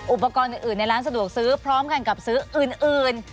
อุปกรณ์อื่นในร้านสะดวกซื้อพร้อมกันกับซื้ออื่น